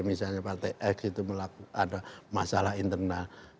misalnya partai x itu ada masalah internal